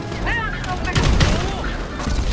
ভাই ও আমার সৈন্যরা!